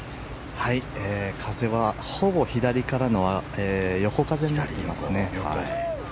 風は、ほぼ左からの横風になっていますね。